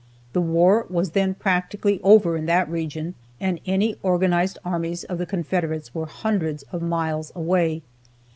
The war was then practically over in that region, and any organized armies of the Confederates were hundreds of miles away.